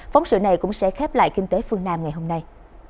phóng sự này cũng sẽ khép lại kinh tế phương nam ngày hôm nay